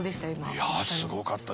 いやすごかったですね。